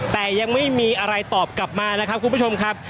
แต่ยังไม่มีอะไรตอบกลับมานะครับคุณผู้ชมครับ